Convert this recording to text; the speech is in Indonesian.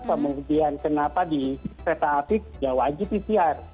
kemudian kenapa di pesawat apik nggak wajib pcr